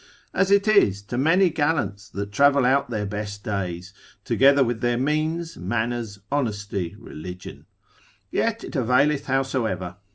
(as it is to many gallants that travel out their best days, together with their means, manners, honesty, religion) yet it availeth howsoever.